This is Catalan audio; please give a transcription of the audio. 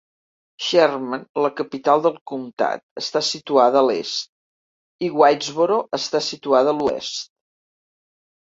Sherman, la capital del comtat, està situada a l'est, i Whitesboro està situada a l'oest.